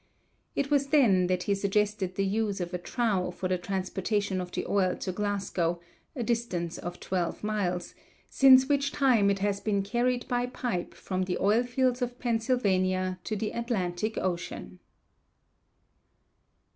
It was then that he suggested the use of a trough for the transportation of the oil to Glasgow, a distance of twelve miles, since which time it has been carried by pipe from the oil fields of Pennsylvania to the Atlantic Ocean.